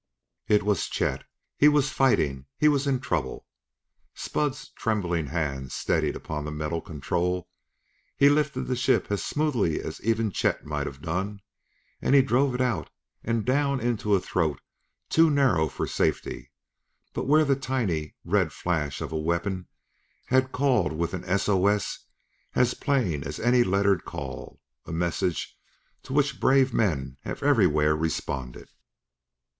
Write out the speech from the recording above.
It was Chet! He was fighting, he was in trouble! Spud's trembling hands steadied upon the metal control; he lifted the ship as smoothly as even Chet might have done, and he drove it out and down into a throat too narrow for safety, but where the tiny, red flash of a weapon had called with an S O S as plain as any lettered call a message to which brave men have everywhere responded.